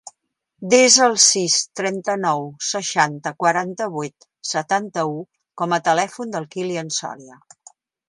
Desa el sis, trenta-nou, seixanta, quaranta-vuit, setanta-u com a telèfon del Kilian Soria.